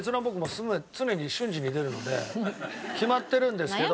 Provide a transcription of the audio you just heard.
決まってるんですけど。